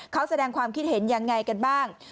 เขาแสดงความคิดเห็นยังไงกันบ้าง